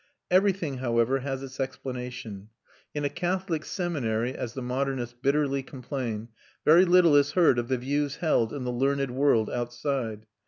Everything, however, has its explanation. In a Catholic seminary, as the modernists bitterly complain, very little is heard of the views held in the learned world outside.